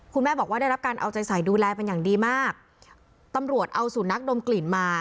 คุณแม่บอกว่าได้รับการเอาใจใส่ดูแลเป็นอย่างดีมากตำรวจเอาสุนัขดมกลิ่นมา